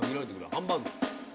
ハンバーグ。